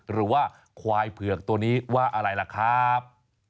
หรือว่าควายเผือกตัวนี้ว่าอะไรล่ะครับ